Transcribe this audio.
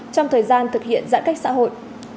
trong thời gian thực hiện giãn cách xã hội